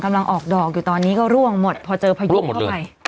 กำลังออกดอกอยู่ตอนนี้ก็ร่วงหมดพอเจอพายุหมดเลยก็